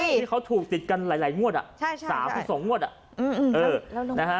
ที่เขาถูกติดกันหลายงวดอ่ะใช่๓๒งวดอ่ะเออ